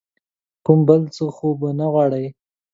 کوم بل څه خو به نه غواړې ؟